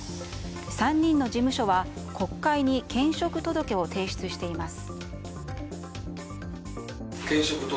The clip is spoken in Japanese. ３人の事務所は国会に兼職届を提出しています。